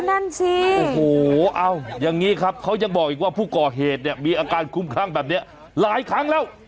โอ้โหอย่างนี้ครับเขายังบอกอีกว่าผู้ก่อเหตุมีอาการคลุ้มคลั่งแบบนี้หลายครั้งแล้ว